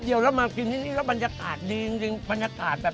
เดียวแล้วมากินที่นี่แล้วบรรยากาศดีจริงบรรยากาศแบบ